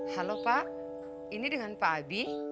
halo pak ini dengan pak abi